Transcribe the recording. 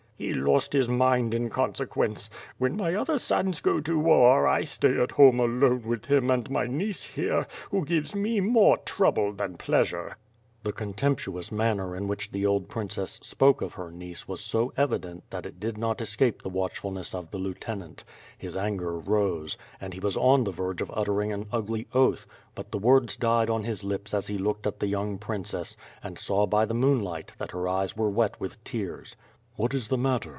He lost his mind in conse quence. When my other sons go to war I stay at home alone with him and my niece here, who gives me more trouble than pleasure." 46 WITH FIRE . ND SWORD. The contemptuous manner in which the old princess spoke of her niece was so evident tliat it did not escape the watch fulness of the lieutenant. His anger rose, and he was on the verge of uttering an ugly oath; but the words died on his lips as he looked at the young princess, and saw by the moonlight, that her eyes were wet with tears. "What is the matter?